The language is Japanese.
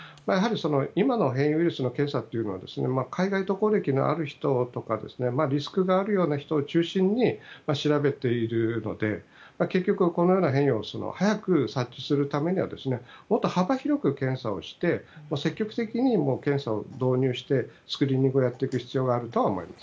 今の変異ウイルスの検査は海外渡航歴のある人ですとかリスクがあるような人を中心に調べているので結局、このような変異を早く察知するためにはもっと幅広く検査をして積極的に検査を導入してスクリーニングをやっていく必要があると思います。